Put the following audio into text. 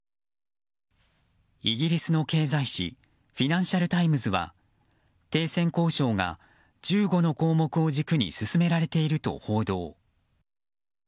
イギリスの経済紙フィナンシャル・タイムズは停戦交渉が１５の項目を軸に進められていると報道。